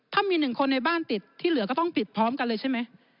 ถ้ามีหนึ่งคนในบ้านติดที่เหลือก็ต้องปิดพร้อมกันเลยใช่ไหม